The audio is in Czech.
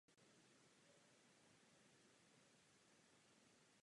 Japonské císařské námořní letectvo používalo několik různých systémů značení souběžně.